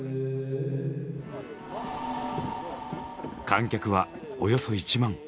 観客はおよそ１万。